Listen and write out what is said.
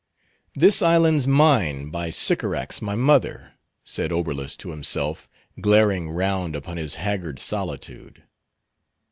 "This island's mine by Sycorax my mother," said Oberlus to himself, glaring round upon his haggard solitude.